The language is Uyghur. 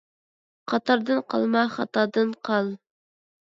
قاتاردىن قالما، خاتادىن قال.